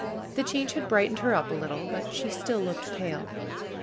The change had brightened her up a little ; but she still looked pale.